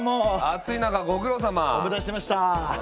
暑い中ご苦労さま。お待たせしました。